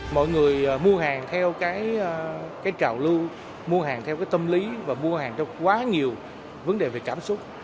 mọi người mua hàng theo cái trào lưu mua hàng theo cái tâm lý và mua hàng cho quá nhiều vấn đề về cảm xúc